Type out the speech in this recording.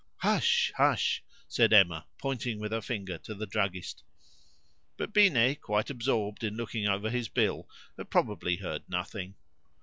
"Hush! hush!" said Emma, pointing with her finger to the druggist. But Binet, quite absorbed in looking over his bill, had probably heard nothing.